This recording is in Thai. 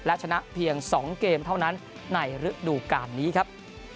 และชนะเพียง๒เกมเท่านั้นในฤดูการนี้ครับ